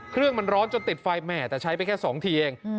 เครื่องมันร้อนจนติดไฟแหมแต่ใช้ไปแค่๒ทีเอง